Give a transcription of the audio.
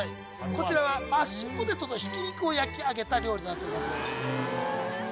こちらはマッシュポテトとひき肉を焼き上げた料理となっております